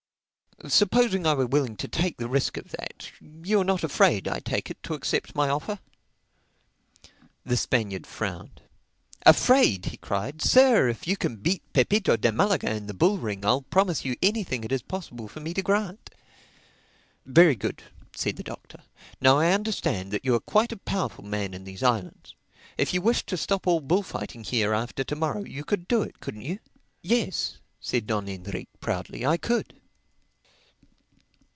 "Supposing I were willing to take the risk of that—You are not afraid, I take it, to accept my offer?" The Spaniard frowned. "Afraid!" he cried, "Sir, if you can beat Pepito de Malaga in the bull ring I'll promise you anything it is possible for me to grant." "Very good," said the Doctor, "now I understand that you are quite a powerful man in these islands. If you wished to stop all bullfighting here after to morrow, you could do it, couldn't you?" "Yes," said Don Enrique proudly—"I could."